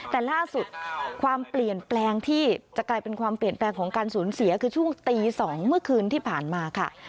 แต่ล่าสุดความเปลี่ยนแปลงที่จะกลายเป็นความเปลี่ยนแปลงของการสูญเสียคือช่วงตี๒เมื่อคืนที่ผ่านมาค่ะ